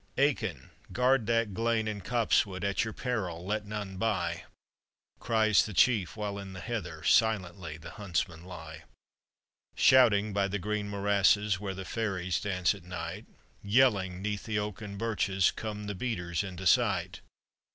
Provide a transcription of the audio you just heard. "Eachann, guard that glade and copsewood, At your peril let none by !" Cries the chief, while in the heather Silently the huntsmen lie. Shouting, by the green morasses, Where the fairies dance at night, Yelling 'neath the oak and birches, Come the beaters into sight.